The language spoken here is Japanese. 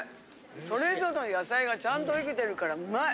それぞれの野菜がちゃんといきてるからうまい！